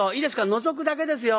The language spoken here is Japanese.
のぞくだけですよ。